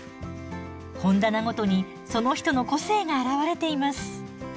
本棚ごとにその人の個性が表れています。